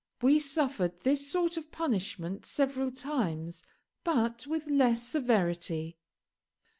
We suffered this sort of punishment several times, but with less severity.